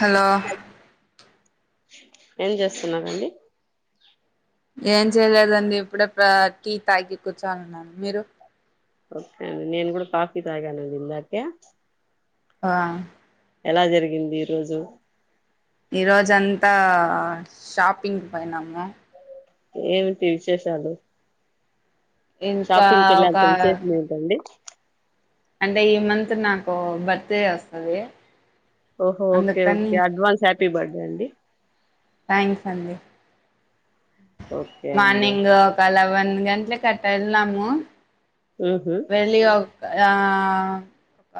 Hello ఏం చేస్తున్నారంండి ఏం చేయలేదండి ఇప్పుడే టీ తాగి కూర్చోనిన్నాను మీరు ఓకే అండి నేను కూడా కాఫీ తాగానండి ఇం దాక ఆ ఎలా జరిగింది ఈ రోజు ఈరోజ అంతా షాపింగ్ పోయినాము ఏమి విశేషాలు ఇంకా షాపింగ్ ఒక కెళ్ళేంత విశేషం ఏంటండీ అంటే ఈ మంత్ నాకు బర్త్ డే వస్తది ఓహో ఓకే అందుకని ఓకే అడ్వాన్స్ బర్డే అండి థ్యాంక్స్ అండి ఓకే అండి మార్నింగ్ కలవన్ గట్లే కట్ట ఇలము ఉహు వెళ్లికా ఆ ఒక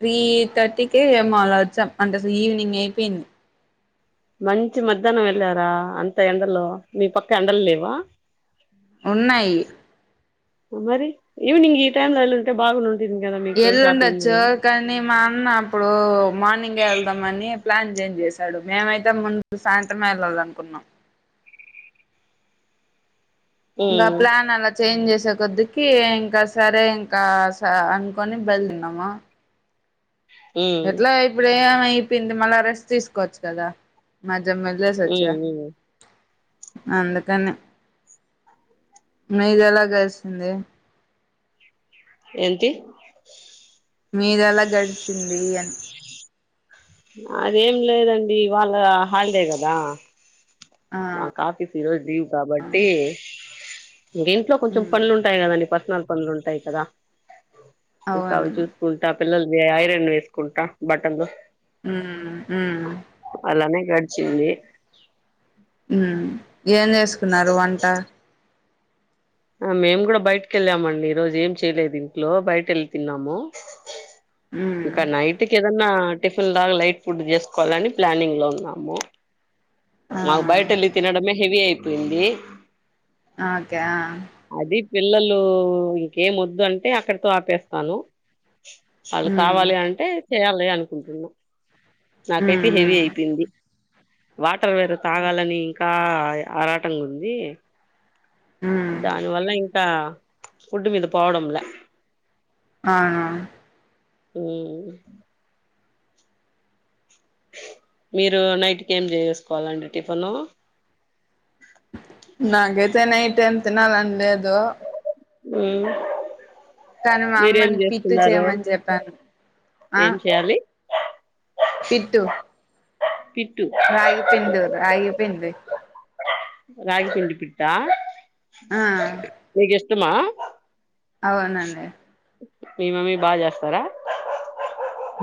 త్రీ థర్టీకి మాలా వచ్చాం అంటె అస్లు ఈవినింగైపోయ్ంది. మంచి మధ్యానమెళ్ళారా అంత ఎండలో మి పక్క ఎండల్ లేవా. ఉన్నాయి ఉమ్ మరి ఈవినింగ్ ఈ టైమ్లొ యెల్లుంటె బాగుండుండ్. ఎల్లుండచ్చు కానీ మా అన్న అప్పుడు మార్నింగె యెళ్దామని ప్లాన్ చేంజ్ జేస్. తడు మేమైతే ముందు సాయంత్రమే యెళ్ళల్లనుకున్నం. ఇంగ అ ఉమ్ ప్లానలా చేంజ్ జేసే కొద్దికీ ఇంక సరే ఇంకా స అన్కొని బయ్ల్దిన్నామ. ఎట్లా ఇప్పుడేమై [unintelligible] మళ్ళా రెస్ట్ తీసుకోవచ్చు కద మ. జమ్మొదిలేసొచ్చ. ఉమ్ ఉమ్ అందుకనె. మీదెలా గల్సింది. ఏంతి మీదెలా గడ్సింది అని. అదేం లేదండి వాళ్ళ హాల్డే గదా. ఆ మా కాఫీ ఫరోజ్దీ కాబట్టి. ఇంగింట్లో కొంచెం ఉమ్ పన్లుంటాయ్ గదండి ప. నల్ పన్లుంటయ్ కద. ఇంకవి అవును జూస్కుంట. పిల్లల్ది ఐ ఐరన్ వేసుకుంట బటన్లు. ఉమ్ ఉమ్ అలానే గడ్చింది. ఉమ్ ఏం జేస్కున్నారు వంట. అ మేమ్ గూడ బైట్కెళ్ళామండి ఈరోజేం చేయ్లేదింట్లొ బయటెళ్ళి తిన్నాము. ఉమ్ ఇంక నైట్ కేదన్న. టిఫుల్లాగ లైట్ ఫుడ్డు జేస్కోలని ప్లానింగ్లొ ఉన్నాము. ఆ నాగ్ బైటెల్లి తినడమే హెవి అయ్. పేంది. ఆకె అ పిల్లలు ఇంకేమొద్దంటె అక్కడితో ఆపేస్తాను. ఆళ్ళు ఉమ్ కావాలీ అంటె. చేయాలి అనుకుంటున్నం. నాకైతె ఉమ్ హెవీ ఉమ్ అయ్పెయ్ంది. వాట్ తవేరు తాగాలని ఇంకా. ఆయే ఆరాటల్ ఉంది ఉమ్ దాని వల్ల ఇన్ క ఫుడ్ మీద పోవడంలే అవును హమ్ మీరు నైట్కి ఏం చేసుకోవాలండి టిఫను నాగైతే నైట్ ఏం తినాలని లేదు ఉ కానీ మా అమ్మని పిట్టు చేయమని చెప్పాను ఆ ఏం చేయాలి పిట్టు పిట్టు రాగి పిందూర్ రాగి పింది రాగి పిండి పిట్టా మీ ఆ [unintelligible] టు మా అవునండి మీ మమ్మీ బాగా చేస్తారా.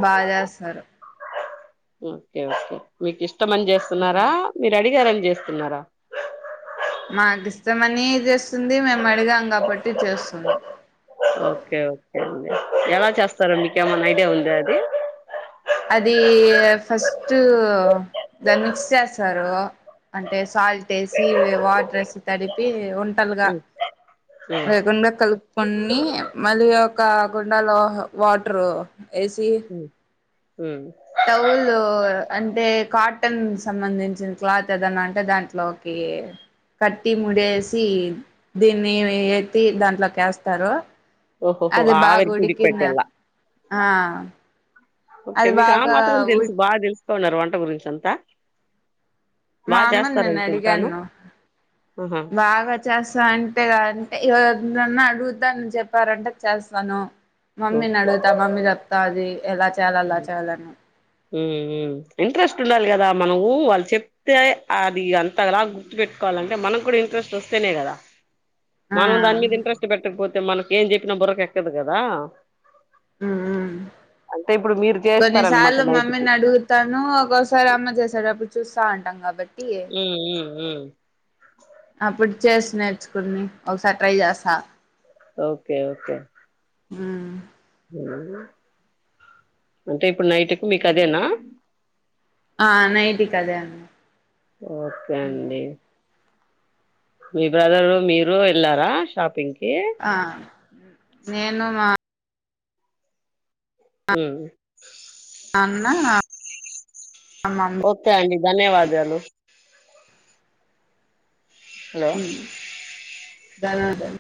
బాగా చేస్తారు. ఓకే ఓకే మీకు ఇష్ టమని చేస్తున్నారా మీరు అడిగార చేస్తున్నర మాకు ఇష్టమని చేస్తుంది. మేము అడిగాం కాబట్టి చేస్తుంది. ఓకే ఓకే అండి ఎలా చేస్తారో మీకేమన్నా ఐడియా ఉందా అది అది ఫస్ట్ దాన్ని మిక్స్ చేస్తారు. అంటే సాల్ట్ వేసి వాటర్ వేసి తడిపి ఉన్ టల్గా లేకున్న కలుప్ కొన్ని మళ్ళీ ఒక కుండలో వాటరు ఏసి ఉమ్ టౌలు అంటే కాటన్ సంబంధించిన క్లాత్ ఏదన్నా ఉంటే దాంట్లోకి కట్టి ముడేసి దీన్ని [unintelligible] తి దాంట్లోకేస్తారు ఓహోహో అది ఆవిరి కుడికి బాగుడికిన పెట్టేలా ఆ ఓకే అది మీకు ఆ బాగా మాత్రం ఉ తెలుసు బా తెలుసు కొనరు వంట గురించి అంతా మా బాగా అమ్మని నిన్న చేస్తారనుకుంటాను అడిగాను ఆహా బాగా చేస్తా అన్ లేదంటె ఎవరిన్నన అడుగుద్దా నను చెప్పారంటే చేస్తాను మమ్మీ నడుగుతా మమ్మీ రప్తది ఎలా చేయాలి అలా ఊ చేయాలని ఊ ఇంట్రెస్ట్ ఉండాలి కదా మనము వాళ్ళు చెప్తే అది అంత అలా గుర్తు పెట్టుకోవాలంటే మనకు కూడా ఇంట్రెస్ట్ వస్తేనే కదా ఆ మనం దని మీద ఇంట్రెస్ట్ పెట్టక పోతే మనకు ఏం చెప్పినా బుర ఎక్కదు కదా ఊ అంటే ఇప్పుడు మీరు చేస్తారనమాట కొన్నిసార్లు నైట్ కి మమ్మీని అడుగుతాను ఒసారి అమ్మ చేసాడు అప్పుడు చూస్ చా అంటాం కాబట్టి ఊ ఊ ఊ అప్పుడు చేసి నేర్చుకుని ఒకసారి ట్రై చేస్తా ఓకే ఓకే ఊ అంటే ఇప్పుడు నైట్కు మీకు అదేనా ఆ నైటి కదే అన్న ఓకే ఊ అండి మీ బ్రదరు మీరు వెళ్లారా షాపింగ్కి ఆ నేను మా అ అన్నా ఓకే అండీ ధన్యవాదాలు హలో దనాదన్